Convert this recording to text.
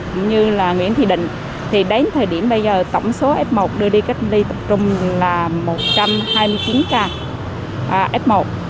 cũng như là nguyễn thị định thì đến thời điểm bây giờ tổng số f một đưa đi cách ly tập trung là một trăm hai mươi chín ca f một